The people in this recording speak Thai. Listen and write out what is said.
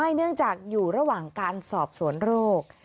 เนื่องจากอยู่ระหว่างการสอบสวนโรค